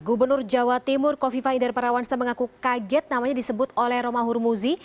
gubernur jawa timur kofifah inder parawan semengaku kaget namanya disebut oleh roma hurmuzi